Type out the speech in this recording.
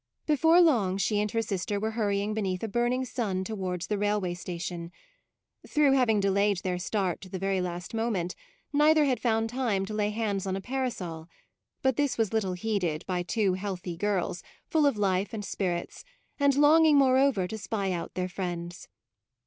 Before long she and her sister were hurrying beneath a burning sun towards the railway station. Through having delayed their start to the very last moment, neither had found time to lay hands on a parasol; but this was little heeded by two healthy girls, full of life and spirits, and longing moreover to spy out their friends.